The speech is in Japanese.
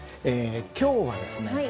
今日はですね